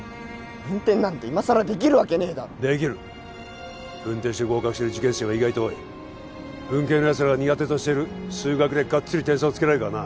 文転なんて今更できるわけねえだろできる文転して合格してる受験生は意外と多い文系のやつらが苦手としてる数学でガッツリ点差をつけられるからな